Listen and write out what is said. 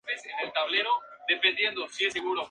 La trama se sitúa en la pequeña ciudad de Ribeirão do Tempo.